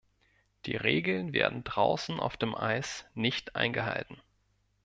Die Regeln werden draußen auf dem Eis nicht eingehalten.